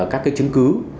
các chứng cứ